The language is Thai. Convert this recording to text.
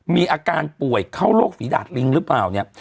มีอาการป่วยเข้าโรคฝีดาดลิงหรือเปล่าเนี่ย